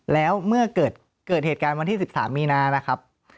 แล้วเมื่อเกิดเหตุการณ์วันที่๑๓มีนานะครับ